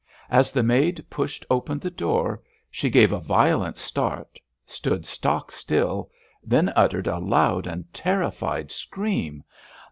As the maid pushed open the door she gave a violent start, stood stock still, then uttered a loud and terrified scream.